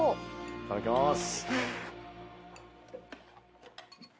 いただきます。